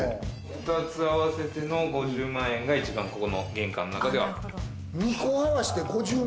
２つ合わせての５０万円が一番ここの玄関の中で最高値。